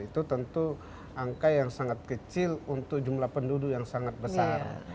itu tentu angka yang sangat kecil untuk jumlah penduduk yang sangat besar